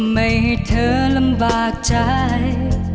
ไม่ให้เธอลำบากใจ